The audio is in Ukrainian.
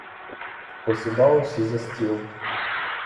Посідали всі за стіл.